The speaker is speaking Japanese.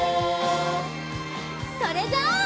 それじゃあ。